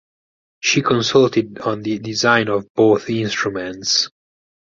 She consulted on the design of both instruments.